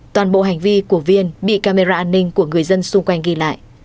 toàn bộ hành vi của viên bị camera an ninh của người dân xung quanh ghi lại